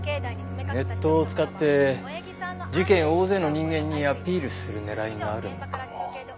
ネットを使って事件を大勢の人間にアピールする狙いがあるのかも。